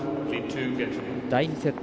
第２セット。